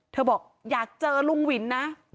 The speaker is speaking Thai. บอกอยากเจอลุงวินนะ